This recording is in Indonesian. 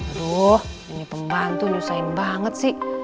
aduh ini pembantu nyusain banget sih